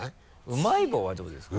「うまい棒」はどうですか？